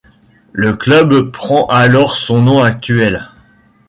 Le club prend alors son nom actuel.